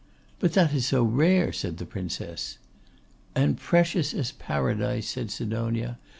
'But that is so rare,' said the Princess. 'And precious as Paradise,' said Sidonia.